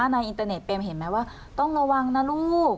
ในอินเตอร์เน็ตเป็นเห็นไหมว่าต้องระวังนะลูก